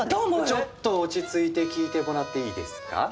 ちょっと落ち着いて聞いてもらっていいですか？